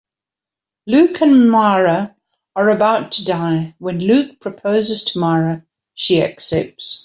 Luke and Mara are about to die, when Luke proposes to Mara, she accepts.